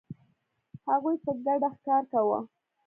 هغوی په ګډه ښکار کاوه.